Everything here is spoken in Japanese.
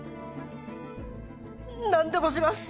何でもします